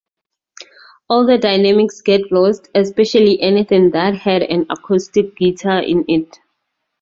All the dynamics get lost, especially anything that had an acoustic guitar in it.